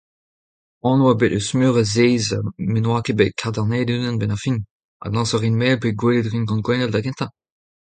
Anv a oa bet eus meur a zeiziad met ne oa ket bet kadarnaet unan a-benn ar fin, adlañsañ a rin Mael pe gwelet a rin gant Gwennael da gentañ ?